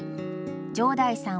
城台さん